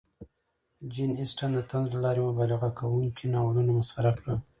جین اسټن د طنز له لارې مبالغه کوونکي ناولونه مسخره کړل.